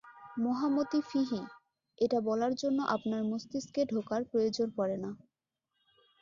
মহামতি ফিহী, এটা বলার জন্যে আপনার মস্তিষ্কে ঢোকার প্রয়োজন পড়ে না।